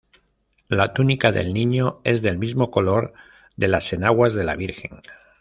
La túnica del Niño es del mismo color de las enaguas de la Virgen.